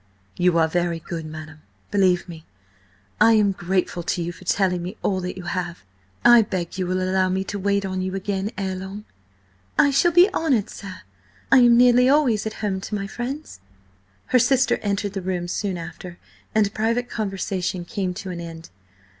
"You are very good, madam. Believe me, I am grateful to you for telling me all that you have. I beg you will allow me to wait on you again ere long?" "I shall be honoured, sir. I am nearly always at home to my friends." Her sister entered the room soon after, and private conversation came to an end.